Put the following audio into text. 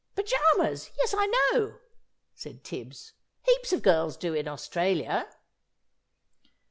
"Pyjamas! Yes, I know," said Tibbs; "heaps of girls do in Australia."